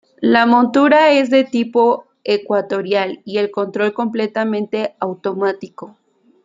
La montura es de tipo ecuatorial y el control completamente automático.